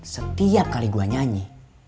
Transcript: setiap kali gue nyanyi